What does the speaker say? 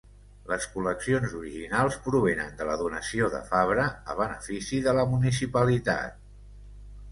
Les col·leccions originals provenen de la donació de Fabre a benefici de la municipalitat.